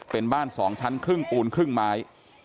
เป็นบ้าน๒ชั้นครึ่งปูนครึ่งไม้